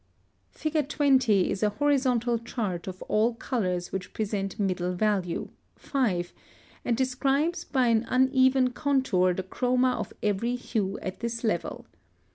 Fig. 20 is a horizontal chart of all colors which present middle value (5), and describes by an uneven contour the chroma of every hue at this level.